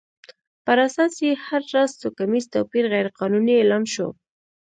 پر اساس یې هر راز توکمیز توپیر غیر قانوني اعلان شو.